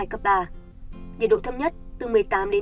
nhiệt độ thâm nhất từ một mươi tám hai mươi một độ